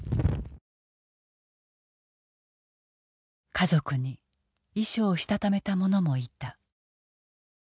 家族に遺書をしたためた者もいた。